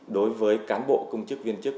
đối với cán bộ công chức viên chức